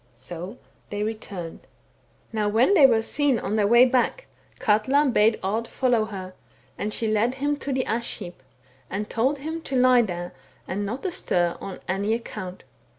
So they returned. 32 THE BOOK OF WERE WOLVES. " Now when they were seen on their way back, Katla bade Odd follow her ; and she led him to the ash heap, and told him to lie there and not to stir on any account.